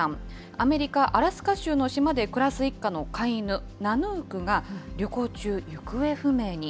アメリカ・アラスカ州の島で暮らす一家の飼い犬、ナヌークが旅行中、行方不明に。